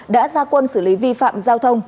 đã ra quân xử lý vi phạm giao thông